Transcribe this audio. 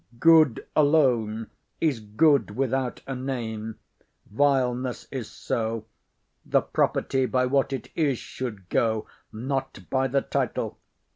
Good alone Is good without a name; vileness is so: The property by what it is should go, Not by the title.